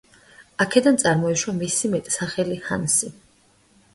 აქედან წარმოიშვა მისი მეტსახელი „ჰანსი“.